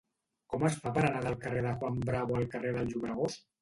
Com es fa per anar del carrer de Juan Bravo al carrer del Llobregós?